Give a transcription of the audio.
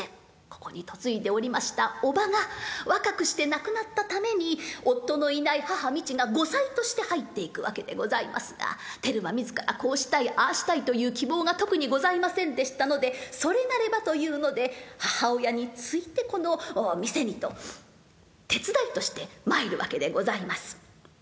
ここに嫁いでおりましたおばが若くして亡くなったために夫のいない母ミチが後妻として入っていくわけでございますがテルは自らこうしたいああしたいという希望が特にございませんでしたのでそれなればというので母親についてこの店にと手伝いとして参るわけでございます。